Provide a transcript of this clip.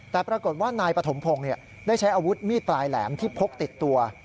แต่ปรากฏว่านายปฐมพงศ์ได้ใช้อาวุธมีดปลายแหลมที่พกติดตัว